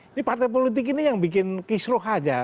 ini partai politik ini yang bikin kisroh aja